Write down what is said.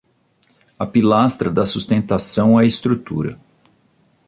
A pilastra dá sustentação à estrutura